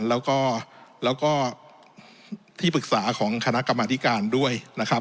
แล้วก็ที่ปรึกษาของคณะกรรมธิการด้วยนะครับ